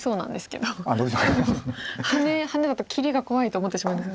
ハネハネだと切りが怖いと思ってしまうんですが。